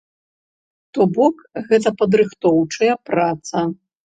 То бок гэта падрыхтоўчая праца.